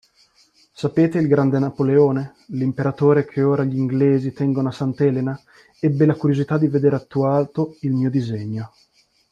sapete il grande Napoleone, l’Imperatore che ora gl’inglesi tengono a Sant’Elena, ebbe la curiosità di vedere attuato il mio disegno.